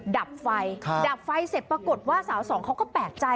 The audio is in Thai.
ดับไฟดับไฟเสร็จปรากฏว่าสาวสองเขาก็แปลกใจ